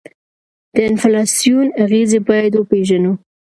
د انفلاسیون اغیزې باید وپیژنو.